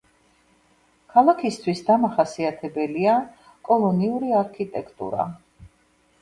ქალაქისთვის დამახასიათებელია კოლონიური არქიტექტურა.